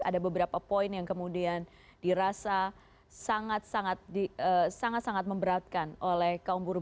ada beberapa poin yang kemudian dirasa sangat sangat memberatkan oleh kaum buruh